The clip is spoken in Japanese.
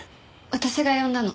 私が呼んだの。